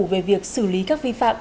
về việc xử lý các vi phạm